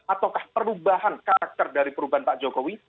ataukah perubahan karakter dari perubahan pak jokowi